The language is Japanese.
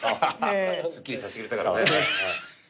スッキリさせてくれたからね。